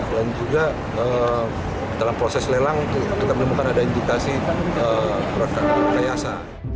dan juga dalam proses lelang kita menemukan ada indikasi perangkat berkayasa